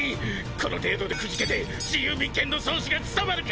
この程度でくじけて自由民権の壮士が務まるか！